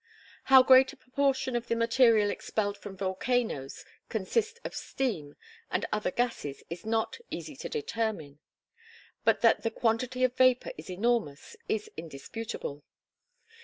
How great a portion of the material expelled from volcanoes consists of steam and other gases is not easy to determine. But that the quantity of vapor is enormous is indisputable.